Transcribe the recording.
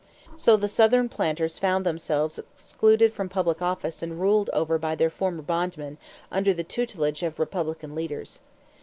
So the Southern planters found themselves excluded from public office and ruled over by their former bondmen under the tutelage of Republican leaders.